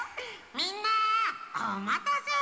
みんなおまたせ！